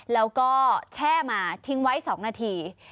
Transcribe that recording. แล้วก็แช่มาทิ้งไว้๒นาที